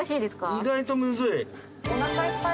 意外とむずい。